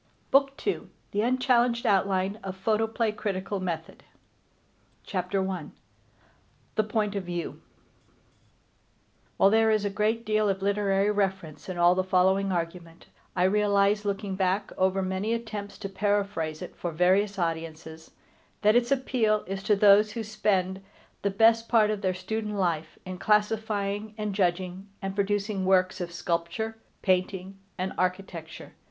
BOOK II THE UNCHALLENGED OUTLINE OF PHOTOPLAY CRITICAL METHOD CHAPTER I THE POINT OF VIEW While there is a great deal of literary reference in all the following argument, I realize, looking back over many attempts to paraphrase it for various audiences, that its appeal is to those who spend the best part of their student life in classifying, and judging, and producing works of sculpture, painting, and architecture.